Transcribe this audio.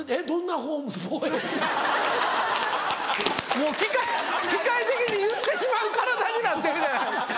もう機械的に言ってしまう体になってるじゃないですか。